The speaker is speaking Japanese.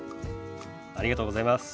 ありがとうございます。